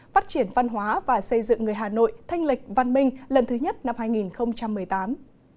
phát triển văn hóa và xây dựng người hà nội thanh lịch văn minh lần thứ nhất năm hai nghìn một mươi tám